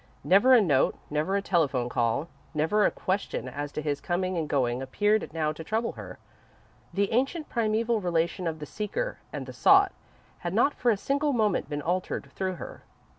Never a note, never a telephone call, never a question as to his coming and going appeared now to trouble her. The ancient, primeval relation of the Seeker and the Sought had not for a single moment been altered through her.